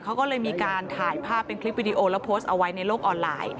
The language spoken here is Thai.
เขาก็เลยมีการถ่ายภาพเป็นคลิปวิดีโอแล้วโพสต์เอาไว้ในโลกออนไลน์